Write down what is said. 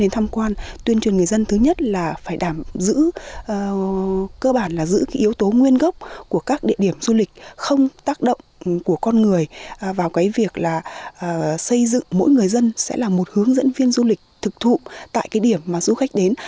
đến tham quan tuyên truyền người dân thứ nhất là phải đảm giữ cơ bản là giữ cái yếu tố nguyên gốc của các địa điểm du lịch không tác động của con người vào cái việc là xây dựng mỗi người dân sẽ là một hướng dẫn viên du lịch thực thụ tại cái điểm mà du khách đến